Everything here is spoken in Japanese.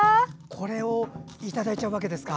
これをいただいちゃうわけですか。